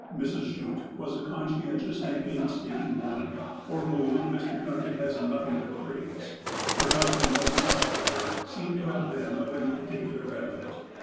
Mrs. Schutt was a conscien tious and painstaking woman, for whom Mr. Duncan has nothing but praise. Her husband does not, however, seem to have been of any particular benefit.